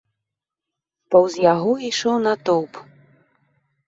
Паўз яго ішоў натоўп.